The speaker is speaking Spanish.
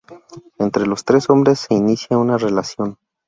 Entre los tres hombres se inicia una relación.